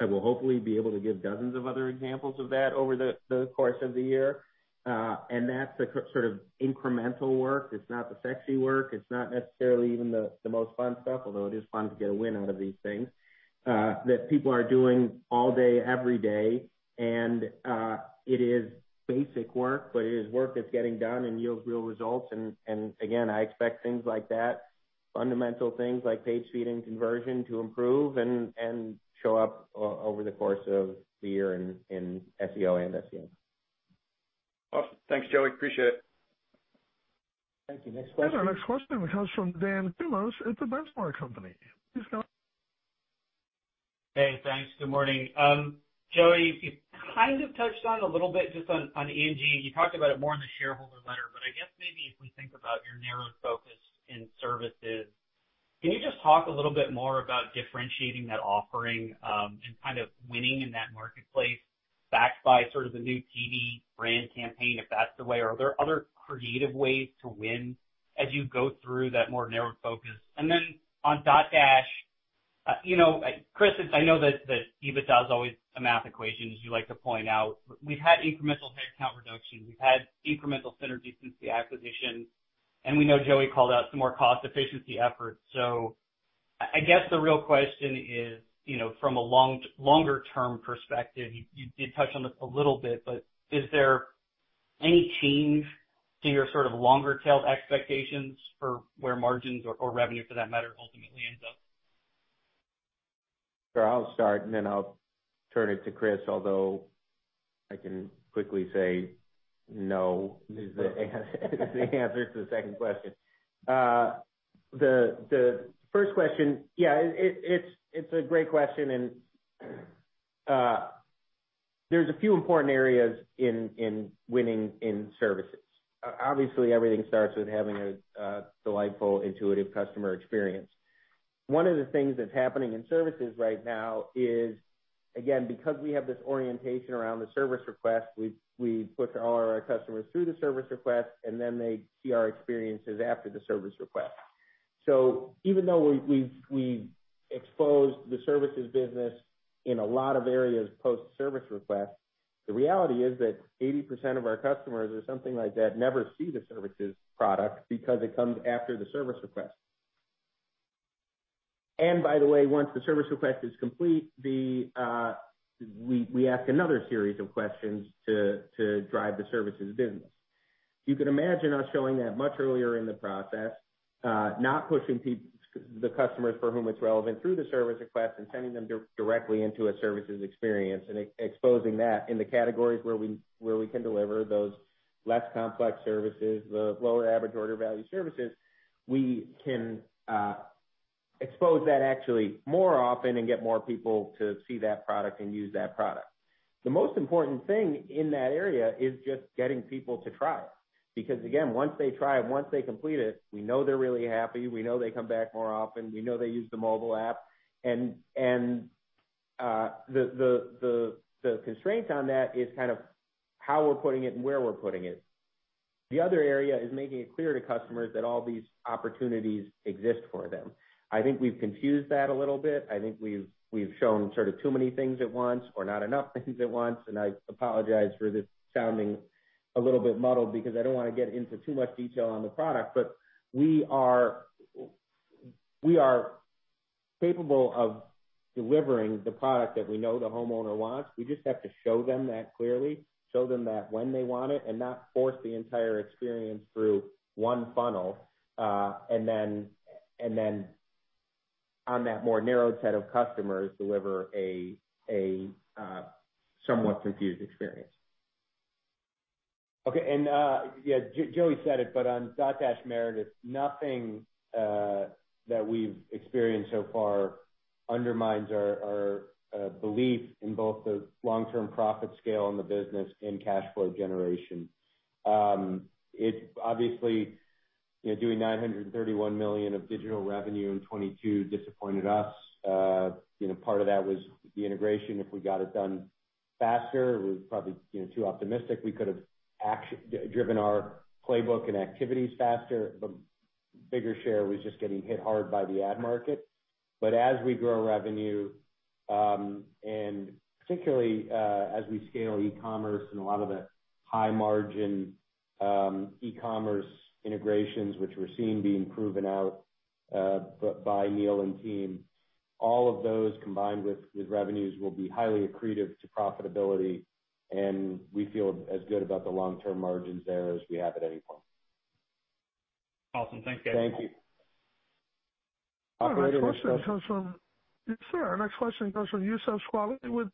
I will hopefully be able to give dozens of other examples of that over the course of the year. That's the sort of incremental work. It's not the sexy work. It's not necessarily even the most fun stuff, although it is fun to get a win out of these things that people are doing all day, every day. It is basic work, but it is work that's getting done and yields real results. Again, I expect things like that, fundamental things like page speed and conversion to improve and show up over the course of the year in SEO and SEM. Awesome. Thanks, Joey. Appreciate it. Thank you. Next question. Our next question comes from Dan Kurnos at The Benchmark Company. Please go ahead. Hey, thanks. Good morning. Joey, you kind of touched on a little bit just on Angi. You talked about it more in the shareholder letter, but I guess maybe if we think about your narrowed focus in services, can you just talk a little bit more about differentiating that offering, and kind of winning in that marketplace backed by sort of the new TD brand campaign, if that's the way? Are there other creative ways to win as you go through that more narrowed focus? On Dotdash, you know, Chris, I know that EBITDA is always a math equation, as you like to point out. We've had incremental headcount reductions. We've had incremental synergies since the acquisition. We know Joey called out some more cost efficiency efforts. I guess the real question is, you know, from a longer term perspective, you did touch on this a little bit, but is there any change to your sort of longer tail expectations for where margins or revenue for that matter ultimately ends up? Sure. I'll start and then I'll turn it to Chris, although I can quickly say no is the answer to the 2nd question. The 1st question, yeah, it's a great question. There's a few important areas in winning in services. Obviously, everything starts with having a delightful, intuitive customer experience. One of the things that's happening in services right now is, again, because we have this orientation around the Service Request, we put all our customers through the Service Request, and then they see our experiences after the Service Request. Even though we exposed the Services business in a lot of areas post-Service Request, the reality is that 80% of our customers or something like that never see the Services product because it comes after the Service Request. By the way, once the Service Request is complete, the, we ask another series of questions to drive the Services business. You can imagine us showing that much earlier in the process, not pushing the customers for whom it's relevant through the Service Request and sending them directly into a Services experience and exposing that in the categories where we, where we can deliver those less complex services, the lower average order value services. We can expose that actually more often and get more people to see that product and use that product. The most important thing in that area is just getting people to try it. Because again, once they try it, once they complete it, we know they're really happy, we know they come back more often, we know they use the mobile app. The constraint on that is kind of how we're putting it and where we're putting it. The other area is making it clear to customers that all these opportunities exist for them. I think we've confused that a little bit. I think we've shown sort of too many things at once or not enough things at once, and I apologize for this sounding a little bit muddled because I don't wanna get into too much detail on the product. We are capable of delivering the product that we know the homeowner wants. We just have to show them that clearly, show them that when they want it, and not force the entire experience through one funnel, and then on that more narrowed set of customers, deliver a somewhat confused experience. Joey said it, on Dotdash Meredith, nothing that we've experienced so far undermines our belief in both the long-term profit scale in the business and cash flow generation. It obviously, you know, doing $931 million of digital revenue in 2022 disappointed us. You know, part of that was the integration. If we got it done faster, it was probably, you know, too optimistic. We could have driven our playbook and activities faster. The bigger share was just getting hit hard by the ad market. As we grow revenue, and particularly, as we scale e-commerce and a lot of the high margin, e-commerce integrations, which we're seeing being proven out, by Neil and team, all of those combined with revenues will be highly accretive to profitability, and we feel as good about the long-term margins there as we have at any point. Awesome. Thank you. Thank you. Yes, sir. Our next question comes from Youssef Squali with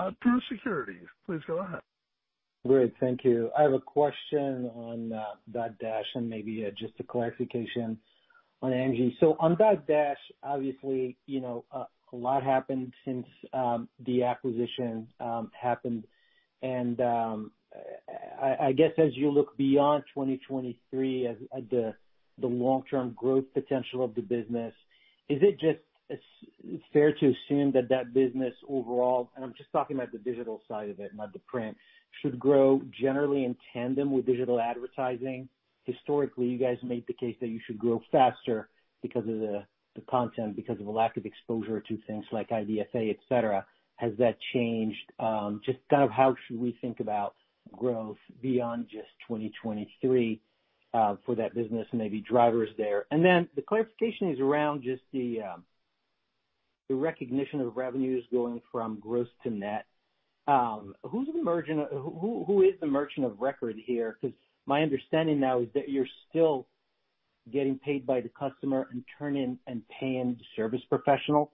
Truist Securities. Please go ahead. Great. Thank you. I have a question on Dotdash and maybe just a clarification on Angi. On Dotdash, obviously, you know, a lot happened since the acquisition happened. I guess as you look beyond 2023 at the long-term growth potential of the business, is it just fair to assume that that business overall, and I'm just talking about the digital side of it, not the print, should grow generally in tandem with digital advertising? Historically, you guys made the case that you should grow faster because of the content, because of a lack of exposure to things like IDFA, et cetera. Has that changed? Just kind of how should we think about growth beyond just 2023 for that business and maybe drivers there? The clarification is around just the recognition of revenues going from gross to net. Who is the merchant of record here? 'Cause my understanding now is that you're still getting paid by the customer and turning and paying the service professional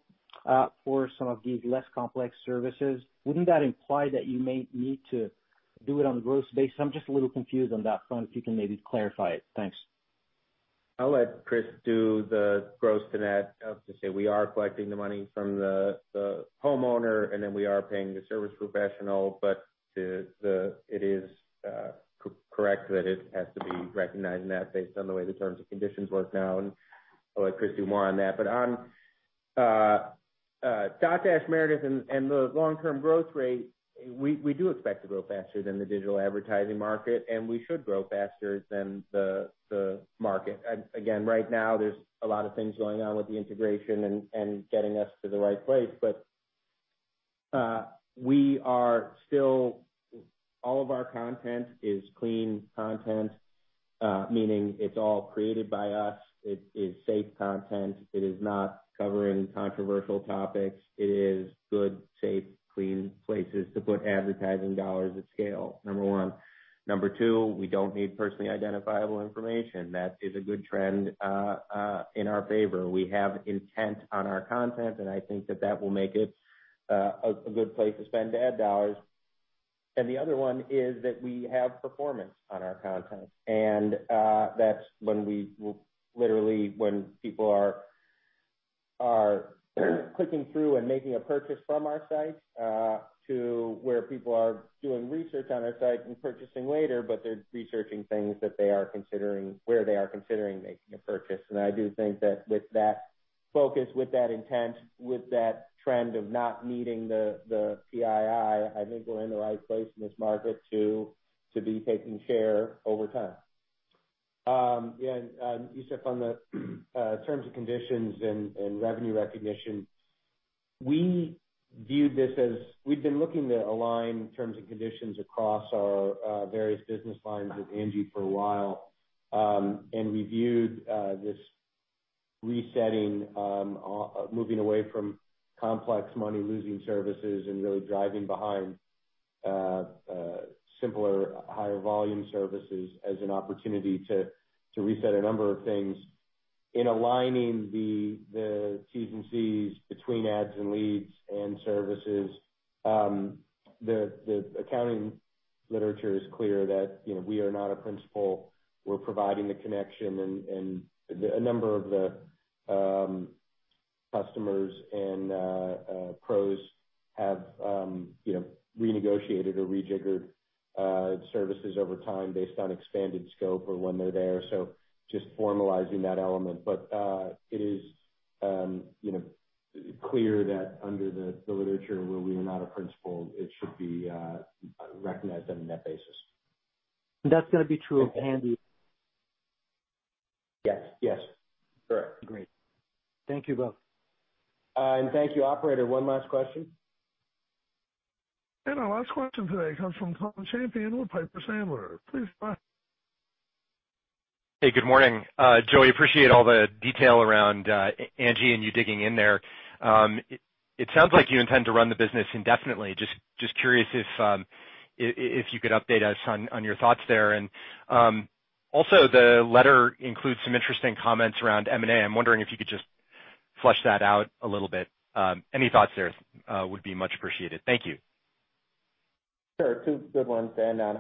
for some of these less complex services. Wouldn't that imply that you may need to do it on the gross base? I'm just a little confused on that front, if you can maybe clarify it. Thanks. I'll let Chris do the gross to net. I'll just say we are collecting the money from the homeowner, and then we are paying the service professional. It is correct that it has to be recognized in that based on the way the terms and conditions look now, and I'll let Chris do more on that. On Dotdash Meredith and the long-term growth rate, we do expect to grow faster than the digital advertising market, and we should grow faster than the market. Again, right now there's a lot of things going on with the integration and getting us to the right place. We are still. All of our content is clean content, meaning it's all created by us. It is safe content. It is not covering controversial topics. It is good, safe, clean places to put advertising dollars at scale, number one. Number two, we don't need personally identifiable information. That is a good trend in our favor. We have intent on our content, and I think that that will make it a good place to spend ad dollars. The other one is that we have performance on our content. That's when we will literally, when people are clicking through and making a purchase from our site to where people are doing research on our site and purchasing later, but they're researching things that they are considering, where they are considering making a purchase. I do think that with that focus, with that intent, with that trend of not needing the PII, I think we're in the right place in this market to be taking share over time. Yusei, from the terms and conditions and revenue recognition, we viewed this as we've been looking to align terms and conditions across our various business lines with Angi for a while. We viewed this resetting, moving away from complex money-losing services and really driving behind simpler, higher volume services as an opportunity to reset a number of things. In aligning the T&Cs between Ads and Leads and Services, the accounting literature is clear that, you know, we are not a principal. We're providing the connection, and a number of the customers and pros have, you know, renegotiated or rejiggered services over time based on expanded scope or when they're there. Just formalizing that element. It is, you know, clear that under the literature where we are not a principal, it should be recognized on a net basis. That's gonna be true of Handy? Yes. Yes, correct. Great. Thank you both. Thank you, operator. One last question. Our last question today comes from with Piper Sandler. Please proceed. Hey, good morning. Joey, appreciate all the detail around Angi and you digging in there. It sounds like you intend to run the business indefinitely. Just curious if you could update us on your thoughts there. Also, the letter includes some interesting comments around M&A. I'm wondering if you could just flesh that out a little bit. Any thoughts there would be much appreciated. Thank you. Sure. Two good ones to end on.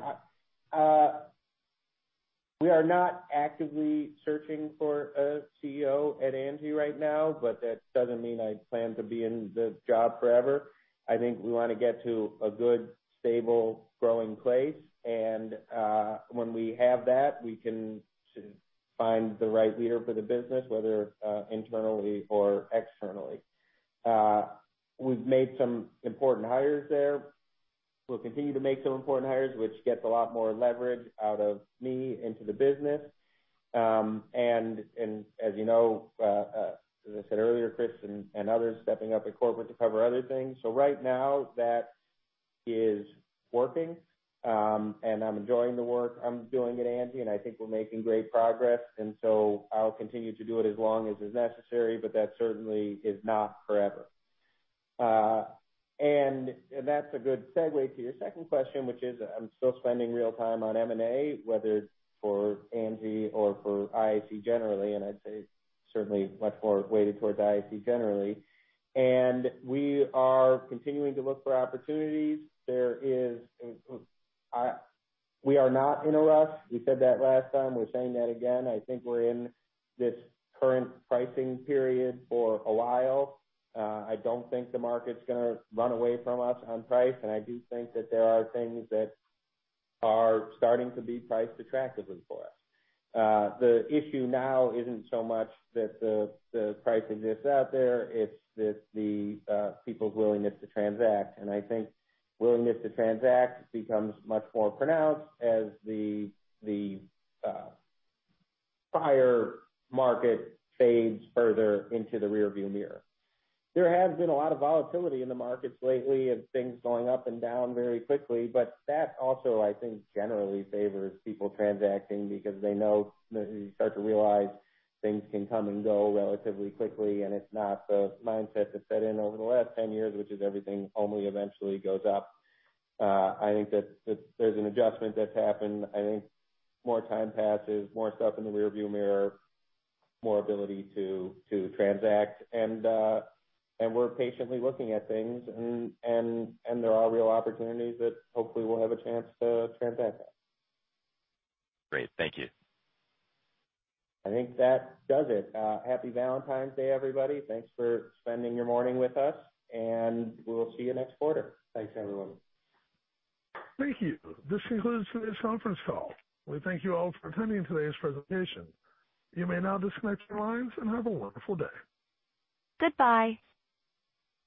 We are not actively searching for a CEO at Angi right now, but that doesn't mean I plan to be in the job forever. I think we wanna get to a good, stable, growing place. When we have that, we can find the right leader for the business, whether internally or externally. We've made some important hires there. We'll continue to make some important hires, which gets a lot more leverage out of me into the business. As you know, as I said earlier, Chris and others stepping up at corporate to cover other things. Right now that is working, and I'm enjoying the work I'm doing at Angi, and I think we're making great progress. I'll continue to do it as long as is necessary, but that certainly is not forever. That's a good segue to your 2nd question, which is I'm still spending real time on M&A, whether it's for Angi or for IAC generally, and I'd say certainly much more weighted towards IAC generally. We are continuing to look for opportunities. We are not in a rush. We said that last time. We're saying that again. I think we're in this current pricing period for a while. I don't think the market's gonna run away from us on price, and I do think that there are things that are starting to be priced attractively for us. The issue now isn't so much that the price exists out there, it's that the people's willingness to transact. I think willingness to transact becomes much more pronounced as the prior market fades further into the rearview mirror. There has been a lot of volatility in the markets lately and things going up and down very quickly, but that also, I think, generally favors people transacting because they know, they start to realize things can come and go relatively quickly, and it's not the mindset that set in over the last 10 years, which is everything only eventually goes up. I think that there's an adjustment that's happened. I think more time passes, more stuff in the rearview mirror, more ability to transact. We're patiently looking at things and there are real opportunities that hopefully we'll have a chance to transact that. Great. Thank you. I think that does it. Happy Valentine's Day, everybody. Thanks for spending your morning with us, and we will see you next quarter. Thanks, everyone. Thank you. This concludes today's conference call. We thank you all for attending today's presentation. You may now disconnect your lines and have a wonderful day.